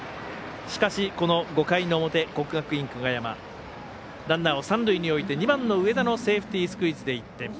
しかし、５回の表、国学院久我山ランナーを三塁に置いて２番の上田のセーフティースクイズで１点。